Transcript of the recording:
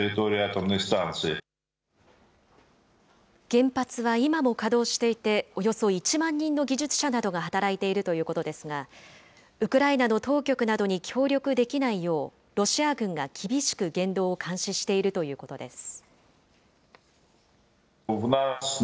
原発は今も稼働していて、およそ１万人の技術者などが働いているということですが、ウクライナの当局などに協力できないよう、ロシア軍が厳しく言動を監視しているということです。